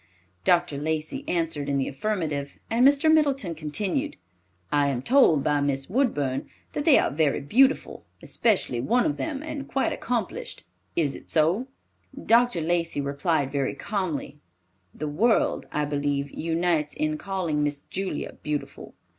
Dr. Lacey answered in the affirmative, and Mr. Middleton continued, "I am told by Miss Woodburn that they are very beautiful, especially one of them, and quite accomplished. Is it so?" Dr. Lacey replied very calmly, "The world, I believe, unites in calling Miss Julia beautiful."